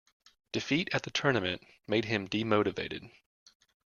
Defeat at the tournament made him demotivated.